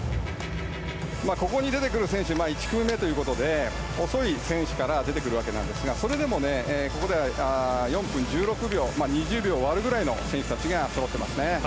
ここに出てくる選手は１組めということで遅い選手から出てくるわけですがそれでもここでは４分１６秒２０秒を割るぐらいの選手たちがそろっていますね。